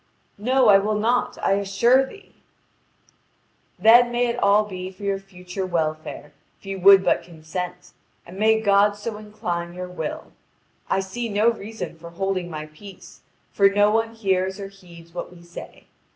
"No, I will not, I assure thee." "Then may it all be for your future welfare if you would but consent, and may God so incline your will! I see no reason for holding my peace, for no one hears or heeds what we say.